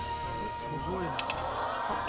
すごいな。